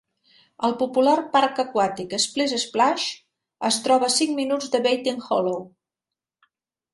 El popular parc aquàtic Splish Splash es troba a cinc minuts de Baiting Hollow.